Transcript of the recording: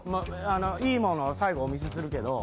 いいものを最後お見せするけど。